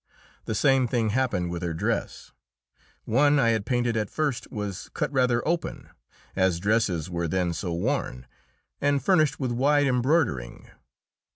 The same thing happened with her dress. One I had painted at first was cut rather open, as dresses were then so worn, and furnished with wide embroidering.